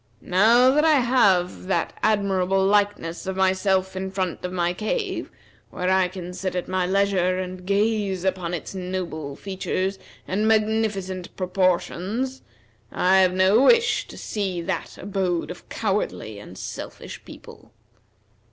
Now that I have that admirable likeness of myself in front of my cave, where I can sit at my leisure, and gaze upon its noble features and magnificent proportions, I have no wish to see that abode of cowardly and selfish people."